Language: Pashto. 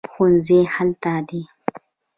ښوونځی هلته دی